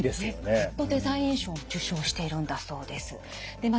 グッドデザイン賞も受賞しているんだそうです。